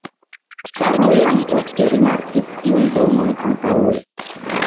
Karlo jam ofte rimarkis tiun domon antaŭe.